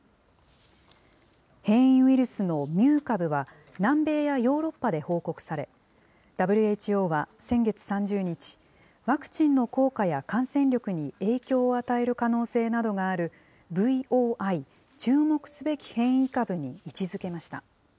変異ウイルスのミュー株は、南米やヨーロッパで報告され、ＷＨＯは先月３０日、ワクチンの効果や感染力に影響を与える可能性などがあるＶＯＩ・注目すべき変異株に位置づけました。